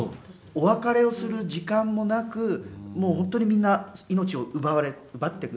「お別れをする時間もなくもう本当にみんな命を奪われ奪っていく。